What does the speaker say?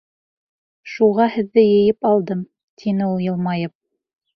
— Шуға һеҙҙе йыйып алдым. — тине ул йылмайып.